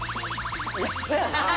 いやそやなあ。